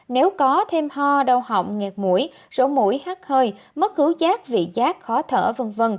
nếu có thêm ho đau họng nghẹt mũi rỗ mũi hát hơi mất hứa chát vị chát khó thở v v